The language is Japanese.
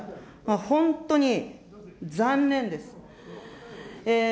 本当に残念です。